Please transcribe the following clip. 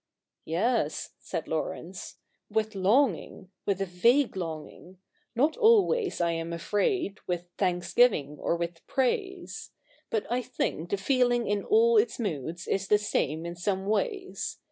' 'Yes,' said Laurence, 'with longing — with a vague longing: not always, I am afraid, \\'ith thanksgiving or with praise. But I think the feeling in all its moods is the same in some ways.